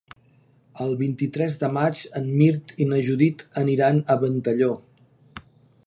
El vint-i-tres de maig en Mirt i na Judit aniran a Ventalló.